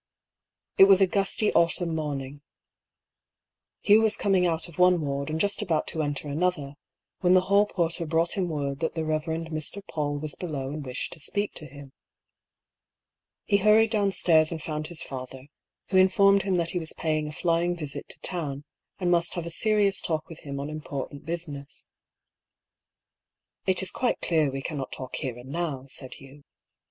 It was a gusty autumn morning. Hugh was coming out of one ward and just about to enter another, when the hall porter brought him word that the Eev. Mr. PauU was below and wished to speak with him. He hurried downstairs and found his father, who informed him that he was paying a flying visit to town, and must have a serious talk with him on important business. A STARTLING PROPOSAL. 83 '' It is quite clear we cannot talk here and now," said Hugh.